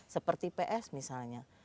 seperti ps misalnya